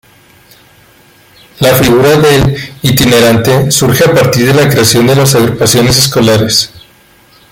La figura del itinerante surge a partir de la creación de las agrupaciones escolares.